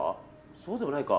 そうでもないか。